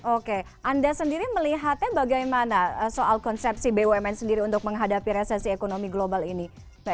oke anda sendiri melihatnya bagaimana soal konsepsi bumn sendiri untuk menghadapi resesi ekonomi global ini